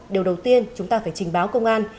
điều đầu tiên chúng ta phải trình báo công an